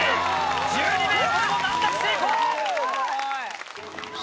１２ｍも難なく成功！